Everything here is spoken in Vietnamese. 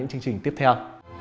trong chương trình tiếp theo